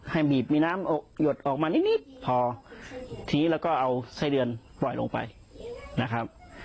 บีบมีน้ำเอาหยดออกมานิดพอชี้แล้วก็เอาไส้เดือนปล่อยลงไปนะครับ